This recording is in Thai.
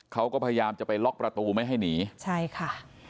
เขาก็พยายามจะไปล็อกประตูไม่ให้หนีใช่ค่ะ